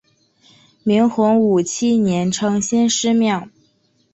明洪武七年称先师庙。